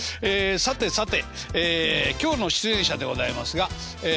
さてさて今日の出演者でございますがええ